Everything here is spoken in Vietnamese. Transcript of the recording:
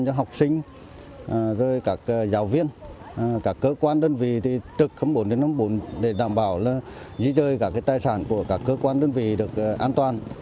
các học sinh các giáo viên các cơ quan đơn vị trực khấm bốn năm bốn để đảm bảo dí dơi các tài sản của các cơ quan đơn vị được an toàn